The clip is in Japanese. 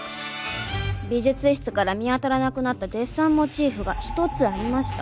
美術室から見当たらなくなったデッサンモチーフが１つありました。